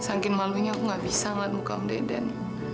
om deden saking malunya aku nggak bisa ngeliat muka om deden